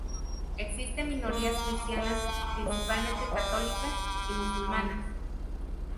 Existen minorías cristianas, principalmente católicas, y musulmanas.